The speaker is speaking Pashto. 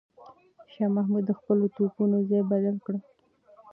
شاه محمود د خپلو توپونو ځای بدل کړ.